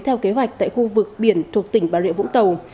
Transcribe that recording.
theo kế hoạch tại khu vực biển thuộc tỉnh bà rịa vũng tàu